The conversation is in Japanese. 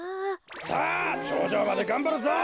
さあちょうじょうまでがんばるぞ！